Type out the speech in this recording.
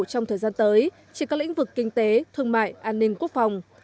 trong thời gian tới trên các lĩnh vực kinh tế thương mại an ninh quốc phòng